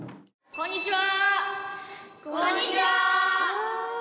こんにちは。